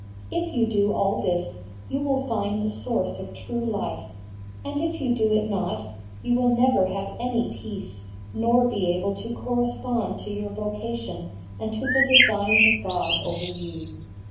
If you do all this you will find the source of true life, and if you do it not, you will never have any peace nor be able to correspond to your vocation and to the designs of God over you.